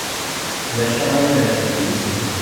Maca ayen refden deg sin.